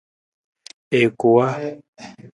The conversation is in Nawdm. I kuwa.